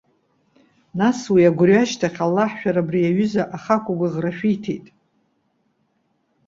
Нас, уи агәырҩа ашьҭахь, Аллаҳ шәара убри аҩыза ахақәгәыӷра шәиҭеит.